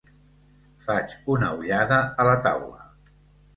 Faig una ullada a la taula.